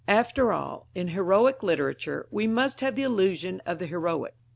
After all, in heroic literature, we must have the illusion of the heroic.